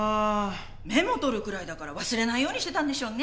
メモ取るくらいだから忘れないようにしてたんでしょうね。